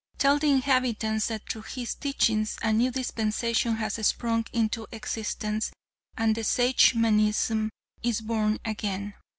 Tell the inhabitants that through his teachings a new dispensation has sprung into existence, and that Sagemanism is born again.